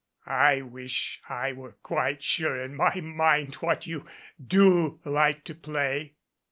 "I wish I were quite sure in my mind what you do like to play."